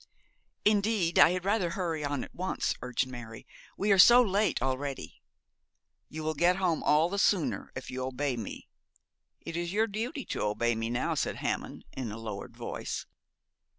'Indeed, I had rather hurry on at once,' urged Mary. 'We are so late already.' 'You will get home all the sooner if you obey me. It is your duty to obey me now,' said Hammond, in a lowered voice.